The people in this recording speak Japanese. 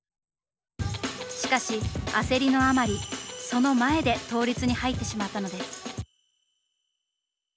しかし焦りのあまりその前で倒立に入ってしまったのです。